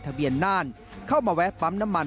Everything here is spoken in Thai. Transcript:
น่านเข้ามาแวะปั๊มน้ำมัน